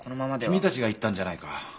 君たちが言ったんじゃないか。